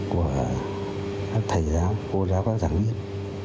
của các thầy giáo cô giáo các giảng viên